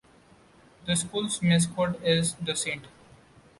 The school's mascot is the saint.